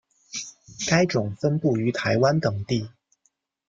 该种分布于台湾等地。